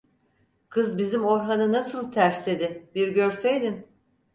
Kız bizim Orhan'ı nasıl tersledi, bir görseydin…